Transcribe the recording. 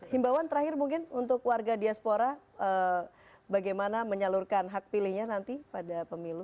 himbawan terakhir mungkin untuk warga diaspora bagaimana menyalurkan hak pilihnya nanti pada pemilu